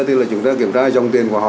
thì là chúng ta kiểm tra dòng tiền của họ